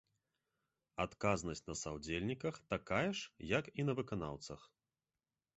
Адказнасць на саўдзельніках такая ж як і на выканаўцах.